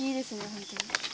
本当に。